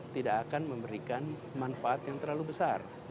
tidak akan memberikan manfaat yang terlalu besar